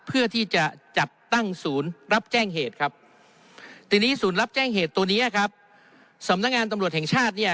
เพื่อที่จะจัดตั้งศูนย์รับแจ้งเหตุตอนนี้สำนักงานตำรวจแห่งชาติ